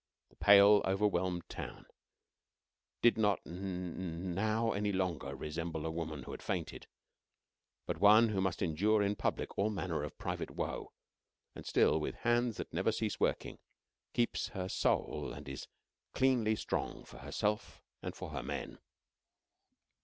The pale, overwhelmed town did not now any longer resemble a woman who had fainted, but one who must endure in public all manner of private woe and still, with hands that never cease working, keeps her soul and is cleanly strong for herself and for her men.